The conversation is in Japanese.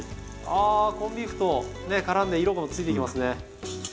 あコンビーフとねからんで色もついていきますね。